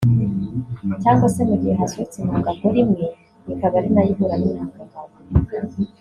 Cyangwa se mu gihe hasohotse intanga ngore imwe ikaba ari nayo ihura n’intanga ngabo